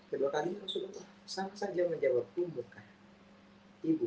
hai kedua kali sudah sama saja menjawab umurka ibu